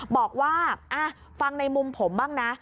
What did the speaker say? บอกว่าฟังในมุมผมบ้างนะ